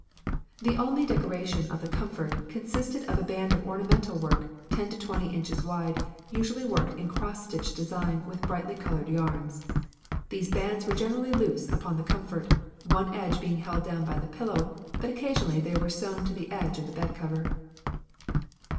The only decoration of the comfort consisted of a band of ornamental work, ten to twenty inches wide, usually worked in cross stitch design with brightly coloured yarns. These bands were generally loose upon the comfort, one edge being held down by the pillow, but occasionally they were sewed to the edge of the bedcover.